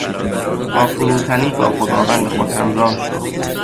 با فروتنی باخداوند خود همراه شو.